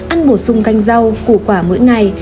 ăn bổ sung canh rau củ quả mỗi ngày